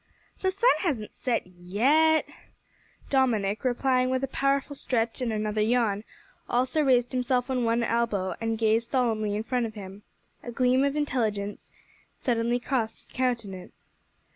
"The sun hasn't set yet!" Dominick, replying with a powerful stretch and another yawn, also raised himself on one elbow and gazed solemnly in front of him. A gleam of intelligence suddenly crossed his countenance.